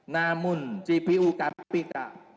namun jpu kpk